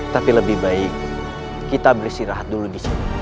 tapi lebih baik kita beristirahat dulu di sini